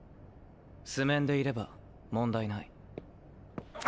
素面でいれば問題ない。